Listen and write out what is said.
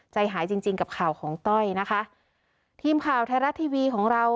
ใจหายจริงจริงกับข่าวของต้อยนะคะทีมข่าวไทยรัฐทีวีของเรา